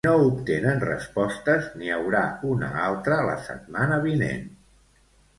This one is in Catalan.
Si no obtenen respostes, n'hi haurà una altra la setmana vinent.